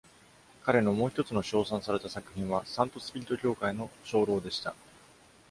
彼のもう一つの賞賛された作品は、サントスピリト教会の鐘楼でした。